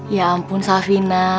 ya ampun savina